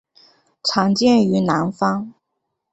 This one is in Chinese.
常见于南方。